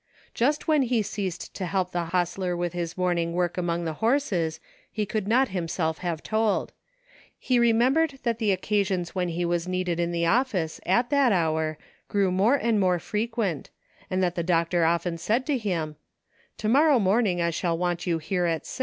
Just when he ceased to help the hostler with his morning work among the horses, he could not himself have told. He re membered that the occasions when he was needed in the office at that hour grew more and more frequent, and that the doctor often said to him, "To morrow morning I shall want you here at 228 "VERY MUCH IMPROVED."